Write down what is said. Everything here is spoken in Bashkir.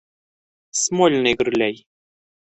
Смольный гөрләй.